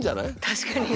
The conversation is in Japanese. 確かに。